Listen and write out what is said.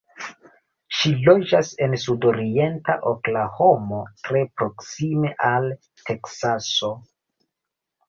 Ŝi loĝas en sudorienta Oklahomo, tre proksime al Teksaso.